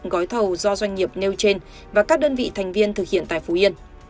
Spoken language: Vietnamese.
gói thầu do doanh nghiệp nêu trên và các đơn vị thành viên thực hiện tại phú yên